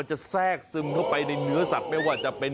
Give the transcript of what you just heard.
แทรกซึมเข้าไปในเนื้อสัตว์ไม่ว่าจะเป็น